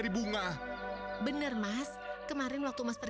ibu pasti akan masukkan kamu ke sekolah ya